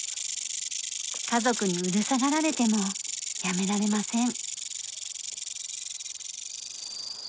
家族にうるさがられてもやめられません。